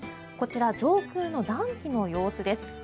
こちら、上空の暖気の様子です。